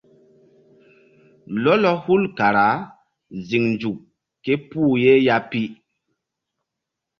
Lɔlɔ hul kara ziŋ nzuk ké puh ye ya pi.